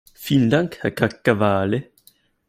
Vielen Dank, Herr Caccavale.